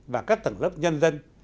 và các tầng lớp nhân dân